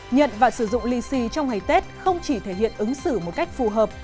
nhận và sử dụng lì xì trong ngày tết không chỉ thể hiện ứng xử một cách phù hợp